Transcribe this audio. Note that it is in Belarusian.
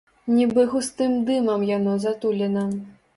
Нібы густым дымам яно затулена.